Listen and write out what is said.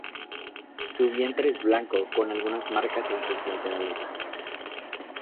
Su vientre es blanco, con algunas marcas en sus laterales.